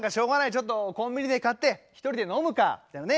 ちょっとコンビニで買って一人で飲むかみたいなね。